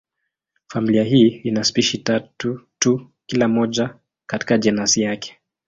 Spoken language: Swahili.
Familia hii ina spishi tatu tu, kila moja katika jenasi yake.